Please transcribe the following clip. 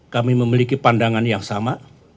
kami memiliki pandangan yang sama